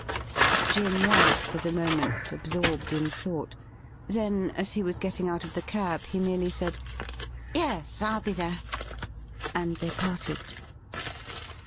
Jim was, for the moment, absorbed in thought. Then, as he was getting out of the cab, he merely said, ' Yes, Fll be there,' and they parted.